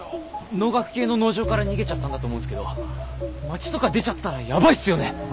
農学系の農場から逃げちゃったんだと思うんすけど街とか出ちゃったらやばいっすよね。